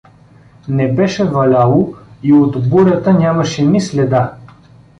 Не беше валяло и от бурята нямаше ни следа.